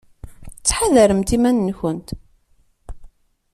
Ttḥadaremt iman-nkent.